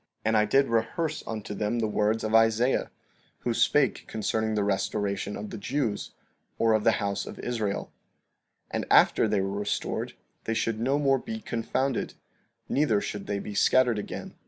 15:20 And I did rehearse unto them the words of Isaiah, who spake concerning the restoration of the Jews, or of the house of Israel; and after they were restored they should no more be confounded, neither should they be scattered again.